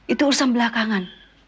itu urusan belakangan